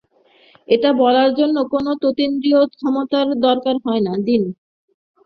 এটা বলার জন্যে কোনো অতীন্দ্রিয় ক্ষমতার দরকার হয় না, দিনু।